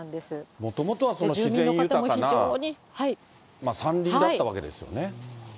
もともとは自然豊かな山林だったわけですよね。